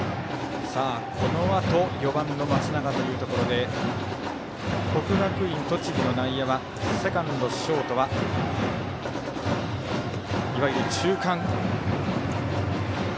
このあと４番の松永というところで国学院栃木の内野はセカンド、ショートはいわゆる中間。